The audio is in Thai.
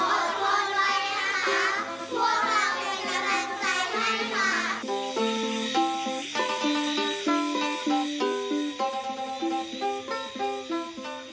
ลวดพรรณเป็นกำลังใจให้ค่ะ